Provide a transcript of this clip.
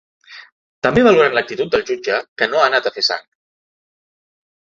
També valoren l’actitud del jutge, que ‘no ha anat a fer sang’.